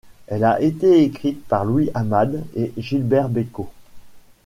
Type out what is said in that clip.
Elle a été écrite par Louis Amade et Gilbert Bécaud.